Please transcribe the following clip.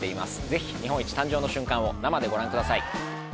ぜひ日本一誕生の瞬間を生でご覧ください。